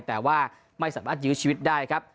แต่ว่าไม่สามารถยื้อชีวิตได้ครับ